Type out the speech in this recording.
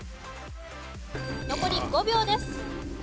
残り５秒です。